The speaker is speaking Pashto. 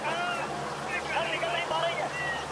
تاريخي حقايق بايد څرګند سي.